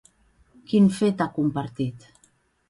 Quin fet ha compartit?